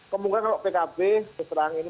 kemungkinan kalau pkb keserangan ini